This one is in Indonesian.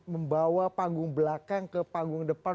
membawa panggung belakang ke panggung depan